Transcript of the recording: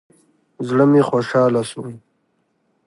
زړه مې خوشاله سو.